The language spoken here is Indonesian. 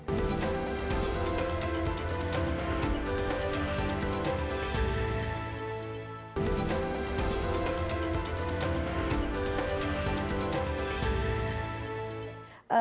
kita kan ada sistem